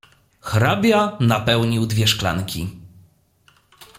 "Hrabia napełnił dwie szklanki."